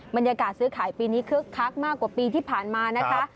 บรรยากาศซื้อขายปีนี้คึกคักมากกว่าปีที่ผ่านมานะคะ